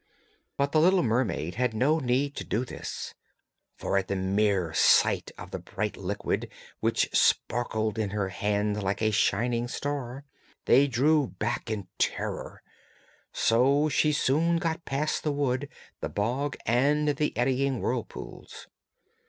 But the little mermaid had no need to do this, for at the mere sight of the bright liquid, which sparkled in her hand like a shining star, they drew back in terror. So she soon got past the wood, the bog, and the eddying whirlpools.